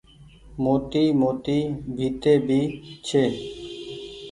موٽي موٽي ڀيتي ڀي ڇي ۔